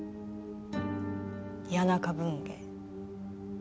『谷中文芸』。